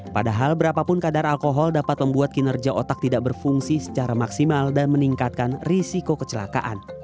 padahal berapapun kadar alkohol dapat membuat kinerja otak tidak berfungsi secara maksimal dan meningkatkan risiko kecelakaan